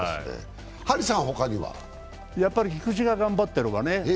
やっぱり菊池が頑張ってるよね。